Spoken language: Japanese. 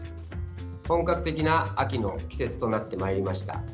本格的な秋の季節となってまいりました。